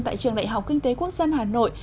tại trường đại học kinh tế quốc dân hà nội